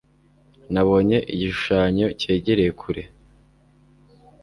Nabonye igishushanyo cyegereye kure.